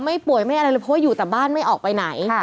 ไม่ป่วยไม่อะไรเลยเพราะว่าอยู่แต่บ้านไม่ออกไปไหน